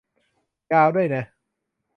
ยาวด้วยนะ